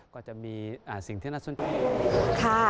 ก็จะมีสิ่งที่น่าสนใจ